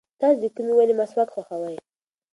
تاسو د کومې ونې مسواک خوښوئ؟